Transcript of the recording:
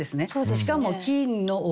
しかも「金の折紙」